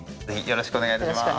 よろしくお願いします。